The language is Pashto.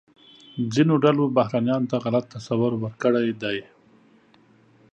ځینو ډلو بهرنیانو ته غلط تصور ورکړی دی.